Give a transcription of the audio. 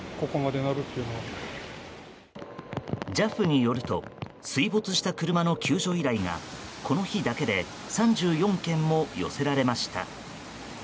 ＪＡＦによると水没した車の救助依頼がこの日だけで３４件も寄せられました。